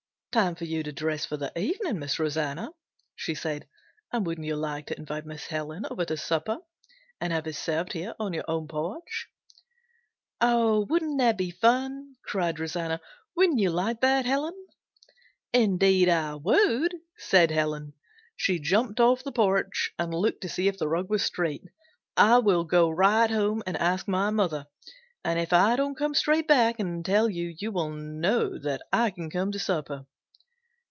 "Time for you to dress for the evening. Miss Rosanna," she said. "And wouldn't you like to invite Miss Helen over to supper, and have it served here on your own porch?" "Oh, wouldn't that be fun?" cried Rosanna "Wouldn't you like that, Helen?" "Indeed I would!" said Helen. She jumped off the porch and looked to see if the rug was straight. "I will go right home and ask my mother and if I don't come straight back and tell you, you will know that I can come to supper."